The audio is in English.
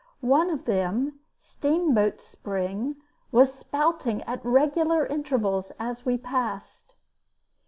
One of them, Steamboat Spring, was spouting at regular intervals as we passed.